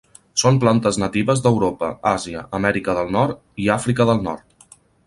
Són plantes natives d'Europa, Àsia, Amèrica del Nord, i Àfrica del Nord.